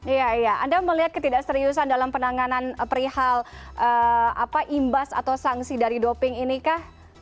iya iya anda melihat ketidakseriusan dalam penanganan perihal imbas atau sanksi dari doping ini kah